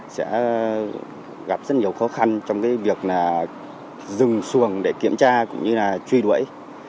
sẽ gặp rất nhiều khó khăn trong việc dừng xuồng để kiểm tra cũng như là truy đuổi